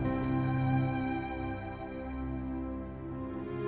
mau beli rotan